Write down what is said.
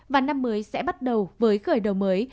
và năm mới sẽ bắt đầu với khởi đầu mới